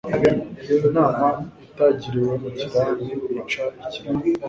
inama itagiriwe mu kirambi ,ica ikirago